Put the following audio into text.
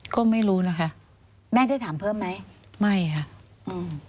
ก็ไม่รู้นะคะแม่ได้ถามเพิ่มไหมไม่ค่ะอืม